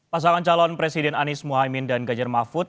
pasangan calon presiden anies mohaimin dan ganjar mahfud